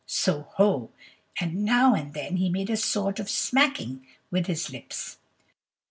so ho! and now and then he made a sort of smacking with his lips.